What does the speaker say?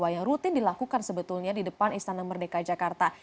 yang rutin dilakukan sebetulnya di depan istana merdeka jakarta